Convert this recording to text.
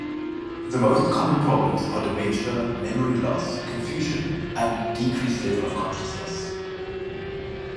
The most common problems are dementia, memory loss, confusion, and decreased level of consciousness.